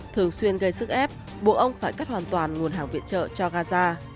thường xuyên gây sức ép buộc ông phải cắt hoàn toàn nguồn hàng viện trợ cho gaza